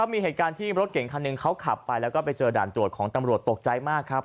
มีเหตุการณ์ที่รถเก่งคันหนึ่งเขาขับไปแล้วก็ไปเจอด่านตรวจของตำรวจตกใจมากครับ